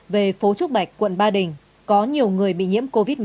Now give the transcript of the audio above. về phố trúc bạch quận ba đình có nhiều người bị nhiễm covid một mươi chín